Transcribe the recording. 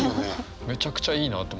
めちゃくちゃいいなと。